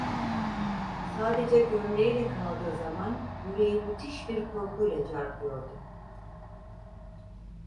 Sadece gömleğiyle kaldığı zaman yüreği müthiş bir korkuyla çarpıyordu.